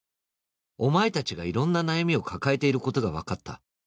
「お前達が色んな悩みを抱えていることが分かった」